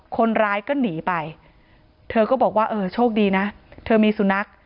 คนร้ายก็หนีไปเธอก็บอกว่าเออโชคดีนะเธอมีสุนัข